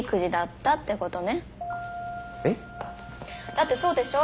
だってそうでしょ。